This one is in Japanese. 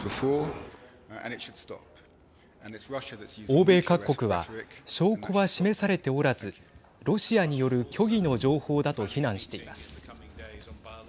欧米各国は証拠は示されておらずロシアによる虚偽の情報だと非難しています。